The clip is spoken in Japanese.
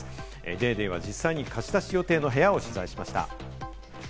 『ＤａｙＤａｙ．』は実際に貸し出し予定の部屋を取材しました。